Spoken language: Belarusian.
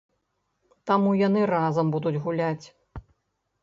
Таму яны разам будуць гуляць.